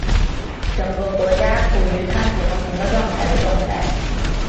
整个国家处于贪腐横行的状态的状态。